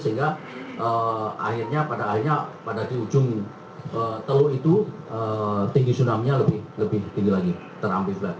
sehingga akhirnya pada akhirnya pada di ujung teluk itu tinggi tsunami nya lebih tinggi lagi terampilkan